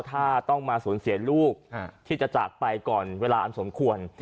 ถ้าต้องมาสูญเสียลูกที่จะจากไปก่อนเวลาอันสมควร